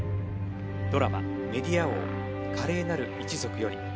ドラマ『メディア王華麗なる一族』より。